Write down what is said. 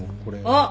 あっ！